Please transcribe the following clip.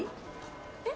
えっ？